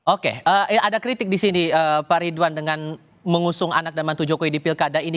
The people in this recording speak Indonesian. oke ada kritik di sini pak ridwan dengan mengusung anak dan mantu jokowi di pilkada ini